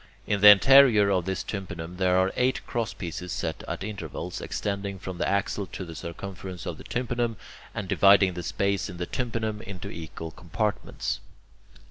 In the interior of this tympanum there are eight crosspieces set at intervals, extending from the axle to the circumference of the tympanum, and dividing the space in the tympanum into equal compartments.